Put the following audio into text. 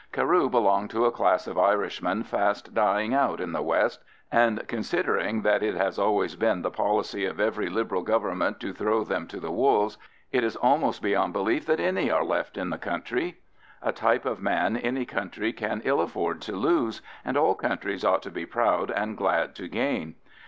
Carew belonged to a class of Irishman fast dying out in the west, and considering that it has always been the policy of every Liberal Government to throw them to the wolves, it is almost beyond belief that any are left in the country. A type of man any country can ill afford to lose, and all countries ought to be proud and glad to gain.